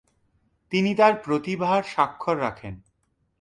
তিনি তার প্রতিভার স্বাক্ষর রাখেন।